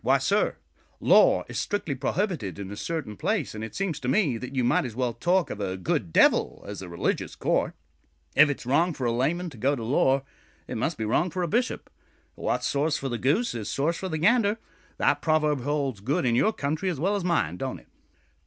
Why sir, law is strictly prohibited in a certain place; and it seems to me that you might as well talk of a good devil as a religious court. If it is wrong for a layman to go to law, it must be wrong for a bishop. What's sauce for the goose is sauce for the gander; that proverb holds good in your country as well as mine, don't it?"